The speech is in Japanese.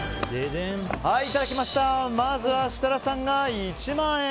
まずは設楽さんが１万円。